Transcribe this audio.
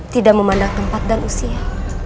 tidak memandang tempat dan usia